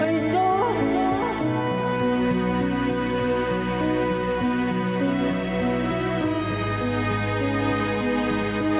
ไอ้โจ๊ก